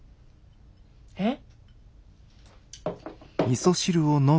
えっ？